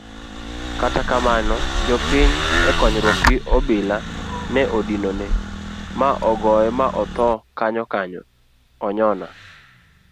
Kata kamano jopiny ekonyruok gi obila ne odinone ma ogoye ma othoo kanyokanyo onyona